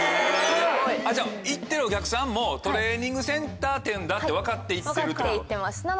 じゃ行ってるお客さんもトレーニングセンター店だって分かって行ってるってこと？